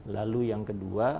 lalu yang kedua